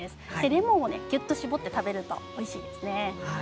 レモンをぎゅっと搾って食べるとおいしいですね。